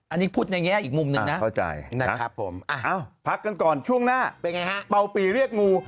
อันนี้พูดอย่างเงี้ยอีกมุมหนึ่งนะพักกันก่อนช่วงหน้าเปล่าปีเรียกงู